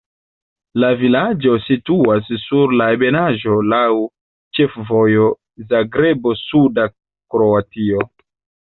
La vilaĝo situas sur malebenaĵo, laŭ ĉefvojo Zagrebo-suda Kroatio.